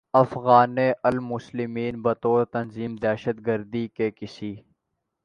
اخوان المسلمین بطور تنظیم دہشت گردی کے کسی